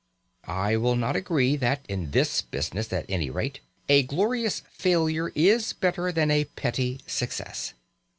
I will not agree that, in this business at any rate, a glorious failure is better than a petty success.